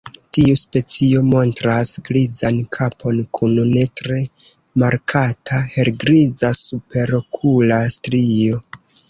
Tiu specio montras grizan kapon kun ne tre markata helgriza superokula strio.